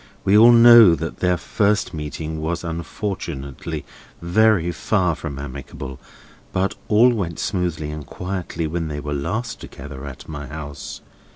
We all know that their first meeting was unfortunately very far from amicable; but all went smoothly and quietly when they were last together at my house.